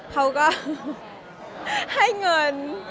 เขาก็ให้เงิน